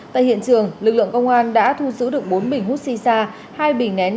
tại em đang bố đi nào mà em